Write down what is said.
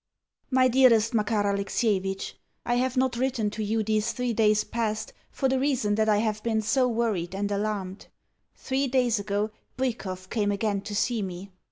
MY DEAREST MAKAR ALEXIEVITCH, I have not written to you these three days past for the reason that I have been so worried and alarmed. Three days ago Bwikov came again to see me.